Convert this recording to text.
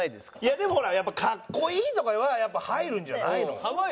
でもほらやっぱ「カッコイイ」とかはやっぱ入るんじゃないの？